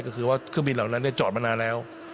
ก็คือว่าเครื่องบินเหล่านั้นจอดมานานแล้ว